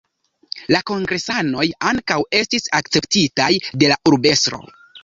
La kongresanoj ankaŭ estis akceptitaj de la urbestro.